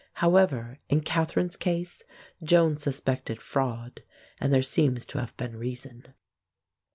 However, in Catherine's case Joan suspected fraud, and there seems to have been reason.